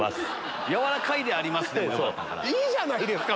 いいじゃないですか！